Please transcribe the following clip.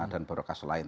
dan beberapa kasus lain